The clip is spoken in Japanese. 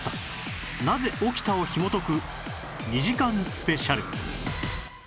「なぜ起きた？」をひも解く２時間スペシャル